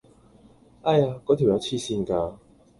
唉呀！果條友痴線㗎！